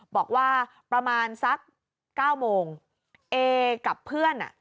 บอกว่าประมาณสักเก้าโมงเอกับเพื่อนอ่ะ